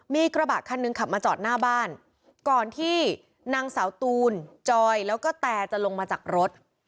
มีกระบะคันหนึ่งขับมาจอดหน้าบ้านก่อนที่นางสาวตูนจอยแล้วก็แตจะลงมาจากรถ